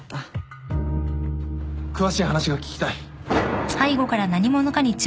詳しい話が聞きたい。